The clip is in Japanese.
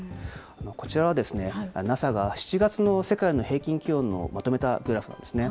こちらはＮＡＳＡが７月の世界の平均気温をまとめたグラフなんですね。